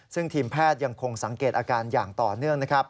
ซึ่งทีมแพทย์ยังคงสังเกตอาการอย่างต่อเนื่องนะครับ